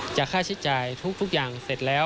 ค่าใช้จ่ายทุกอย่างเสร็จแล้ว